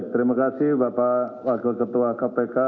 terima kasih bapak wakil ketua kpk